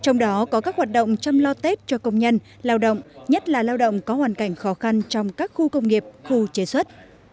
trong đó có các hoạt động chăm lo tết cho công nhân lao động nhất là lao động có hoàn cảnh khó khăn trong các khu công nghiệp khu chế xuất